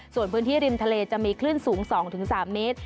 ส่วนพื้นที่ริมทะเลจะมีคลื่นสูง๒๓เมตร